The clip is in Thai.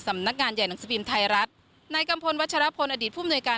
งานใหญ่หนังสือพิมพ์ไทยรัฐนายกัมพลวัชรพลอดีตผู้มนวยการ